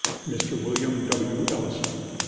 Mr. William W. Ellison 1850.